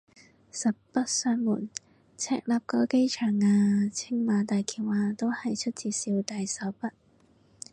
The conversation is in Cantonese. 實不相瞞，赤鱲角機場啊青馬大橋啊都係出自小弟手筆